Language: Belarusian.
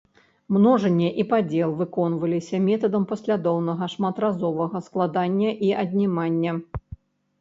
Множанне і падзел выконваліся метадам паслядоўнага шматразовага складання і аднімання.